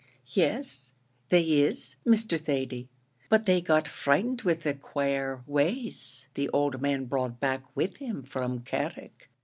"Yes, they is, Mr. Thady; but they got frighted with the quare ways the owld man brought back with him from Carrick.